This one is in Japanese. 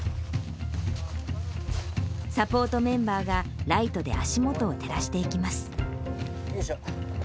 サポートメンバーがライトで足元を照らしていきます。